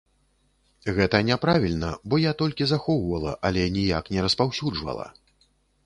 Гэта няправільна, бо я толькі захоўвала, але ніяк не распаўсюджвала.